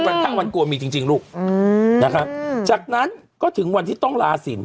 พระวันโกนมีจริงจริงลูกอืมนะคะจากนั้นก็ถึงวันที่ต้องลาสิน